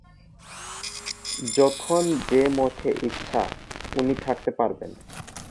যখন যে মঠে ইচ্ছা উনি থাকতে পারবেন।